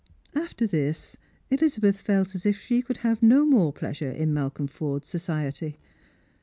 " After this, Ehzal^eth felt as if she could have no more pleasure in Malcolm Forde's society.